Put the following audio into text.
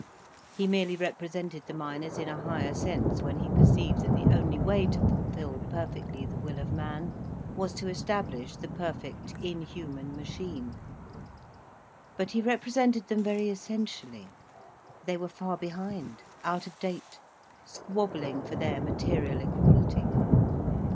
He merely represented the miners in a higher sense when he perceived that the only way to fulfil perfectly the will of man was to establish the perfect, inhuman machine. But he represented them very essentially, they were far behind, out of date, squabbling for their material equality.